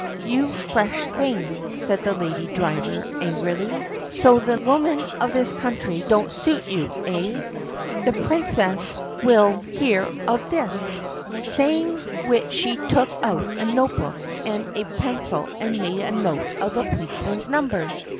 "You fresh thing!" said the lady driver angrily. "So the women of this country don't suit you, eh? The Princess will THE PUSSYCAT PRINCESS 52 hear of this!" Saying which she took out a note book and a pencil and made a note of the policeman's number.